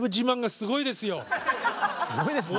すごいですね。